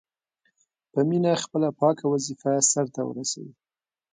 په مینه خپله پاکه وظیفه سرته ورسوي.